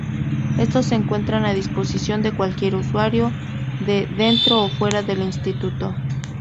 Estos se encuentran a disposición de cualquier usuario de dentro o fuera del Instituto.